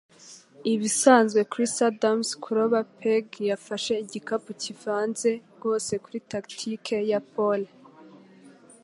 Ibisanzwe Chris Adams kuroba peg yafashe igikapu kivanze rwose kuri tactique ya pole.